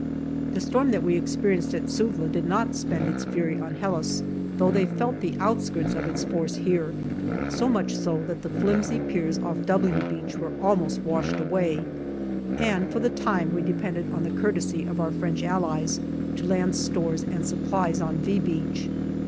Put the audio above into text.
The storm that we experienced at Suvla did not spend its fury on Helles, though they felt the outskirts of its force here so much so that the flimsy piers off " W" Beach were almost washed away, and for the time we depended on the courtesy of our French Allies to land stores and supplies on " V " Beach.